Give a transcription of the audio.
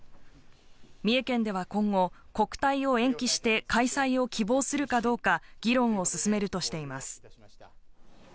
三重県では今後、国体を延期して開催を希望するかどうか議論を進めるとしています。